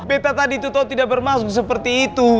bete tadi tuh tau tidak bermaksud seperti itu